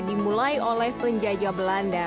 dimulai oleh penjajah belanda